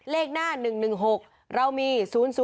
เลขหน้า๑๑๖เรามี๐๐